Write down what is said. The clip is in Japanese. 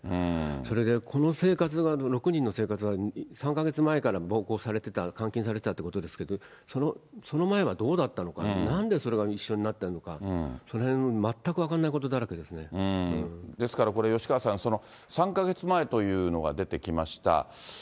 それでこの生活が、６人の生活が３か月前から暴行されてた、監禁されてたということですが、その前はどうだったのか、なんでそれが一緒になったのか、そのへん、ですからこれ、吉川さん、３か月前というのが出てきました。